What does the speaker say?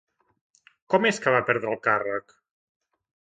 Com és que va perdre el càrrec?